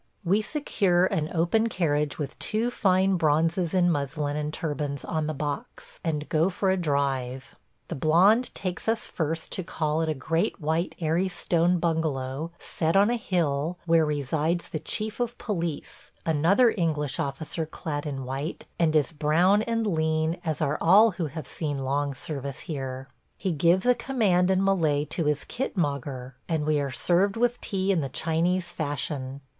We secure an open carriage with two fine bronzes in muslin and turbans on the box, and go for a drive. The blond takes us first to call at a great white airy stone bungalow, set on a hill where resides the chief of police, another English officer clad in white and as brown and lean as are all who have seen long service here. He gives a command in Malay to his khitmagar, and we are served with tea in the Chinese fashion.